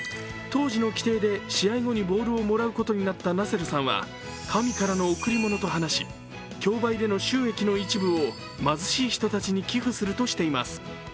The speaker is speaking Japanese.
当時の規定で、試合後にボールをもらうことになったナセルさんは神からの贈り物と話し、競売での収益の一部を貧しい人たちに寄付するとしています。